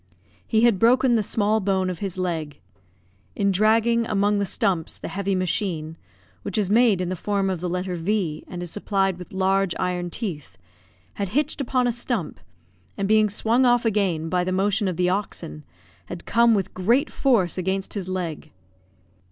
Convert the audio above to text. He had broken the small bone of his leg. In dragging, among the stumps, the heavy machine (which is made in the form of the letter V, and is supplied with large iron teeth), had hitched upon a stump, and being swung off again by the motion of the oxen, had come with great force against his leg.